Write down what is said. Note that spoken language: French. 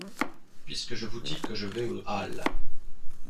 Puisque je vous dis que je vais aux Halles!